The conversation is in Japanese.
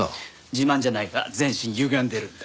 自慢じゃないが全身ゆがんでるんだ。